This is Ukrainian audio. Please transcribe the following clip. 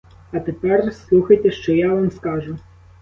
А тепер слухайте, що я вам скажу.